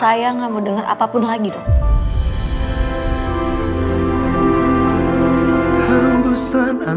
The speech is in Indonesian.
saya gak mau denger apapun lagi dokter